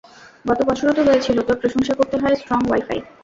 গত বছরও তো হয়েছিল, তোর প্রশংশা করতে হয় স্ট্রং ওয়াই-ফাই!